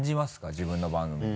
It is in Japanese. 自分の番組。